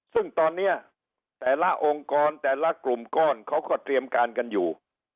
ซึ่งตอนนี้แต่ละองค์กรแต่ละกลุ่มก้อนเขาก็เตรียมการกันอยู่